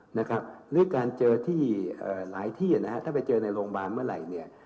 หรือการเจอที่หลายที่นะฮะถ้าไปเจอในโรงพยาบาลเมื่อไหร่เนี่ย